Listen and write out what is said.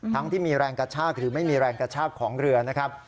ที่มีแรงกระชากหรือไม่มีแรงกระชากของเรือนะครับ